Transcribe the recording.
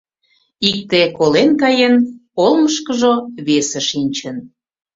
Икте колен каен — олмышкыжо весе шинчын.